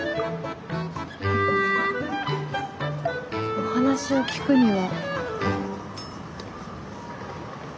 お話を聞くには。